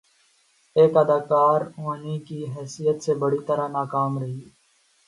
ایک اداکار ہونے کی حیثیت سے بری طرح ناکام رہی